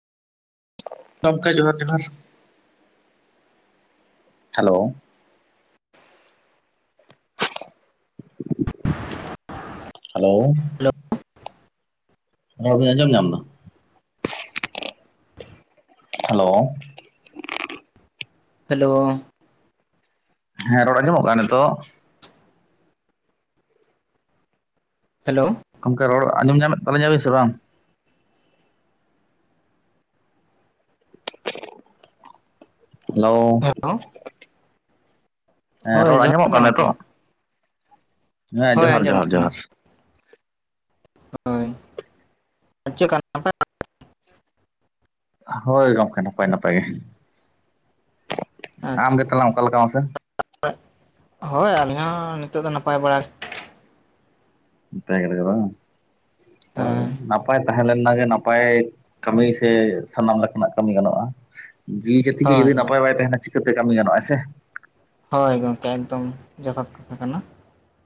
ᱜᱚᱢᱠᱮ ᱡᱚᱦᱟᱨ ᱡᱚᱦᱟᱨ ᱦᱮᱞᱳ [inaudible] ᱦᱮᱞᱳ ᱦᱮᱞᱳ ᱨᱚᱲ ᱵᱮᱱ ᱟᱡᱚᱢ ᱧᱟᱢ ᱫᱟ ᱦᱮᱞᱳ ᱦᱮᱞᱳ ᱦᱮᱸ ᱨᱚᱲ ᱟᱸᱡᱚᱢᱼᱜ ᱠᱟᱱᱟ ᱱᱤᱛᱚᱜ ᱦᱮᱞᱳ ᱜᱚᱢᱠᱮ ᱨᱚᱲ ᱟᱸᱡᱚᱢᱚ ᱧᱟᱢᱮᱫ ᱛᱟᱞᱤᱧᱟ ᱥᱮ ᱵᱟᱝ ᱦᱮᱞᱳ ᱦᱮᱞᱳ ᱦᱮᱸ ᱦᱳᱭ ᱨᱚᱲ ᱡᱚᱦᱟᱨ ᱟᱸᱡᱚᱢᱚᱜ ᱜᱮ ᱠᱟᱱᱟ ᱛᱚ ᱜᱚᱢᱠᱮ ᱦᱮᱸ ᱦᱳᱭ ᱡᱚᱦᱟᱨ ᱟᱸᱡᱚᱢᱚᱜ ᱡᱚᱦᱟᱨ ᱠᱟᱱᱟ ᱡᱚᱦᱟᱨ ᱦᱳᱭ ᱪᱮᱫ [unintelligible] ᱠᱟᱱᱟᱯᱮ ᱦᱳᱭ ᱜᱚᱝᱠᱮ ᱱᱟᱯᱟᱭ ᱱᱟᱯᱟᱭ ᱜᱮ ᱟᱢ ᱟᱪᱪᱷᱟ ᱜᱮ ᱛᱟᱞᱟᱝ ᱚᱠᱟ ᱞᱮᱠᱟ ᱢᱟᱥᱮ ᱦᱳᱭ ᱟᱹᱞᱤᱧ ᱦᱚᱸ ᱱᱤᱛᱚᱜ ᱫᱚ ᱱᱟᱯᱟᱭ ᱵᱟᱲᱟ ᱱ [unintelligible] ᱯᱟᱭ ᱦᱮᱸ ᱱᱟᱯᱟᱭ ᱛᱟᱦᱮᱸ ᱚᱱᱟ ᱜᱮ ᱱᱟᱯᱟᱭ ᱠᱟᱹᱢᱤ ᱥᱮ ᱥᱟᱱᱟᱢ ᱞᱮᱠᱟᱱᱟᱜ ᱠᱟᱹᱢᱤ ᱜᱟᱱᱚᱜᱼᱟ ᱡᱤᱣᱤ ᱡᱟᱹᱛᱤ ᱜᱮ ᱦᱳᱭ ᱡᱩᱫᱤ ᱦᱳᱭ ᱱᱟᱯᱟᱭ ᱵᱟᱭ ᱛᱟᱦᱮᱱᱟ ᱪᱤᱠᱟᱹᱛᱮ ᱠᱟᱹᱢᱤ ᱜᱟᱱᱚᱜ ᱟ ᱥᱮ, ᱦᱳᱭ ᱜᱚᱢᱠᱮ ᱮᱠᱫᱚᱢ ᱡᱚᱛᱷᱟᱛ ᱠᱟᱛᱷᱟ ᱠᱟᱱᱟ,